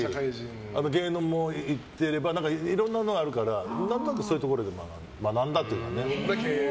あと芸能も行ってればいろいろあるから何となくそういうところで学んだというか。